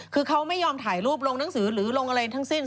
คือเขาไม่ยอมถ่ายรูปลงหนังสือหรือลงอะไรทั้งสิ้น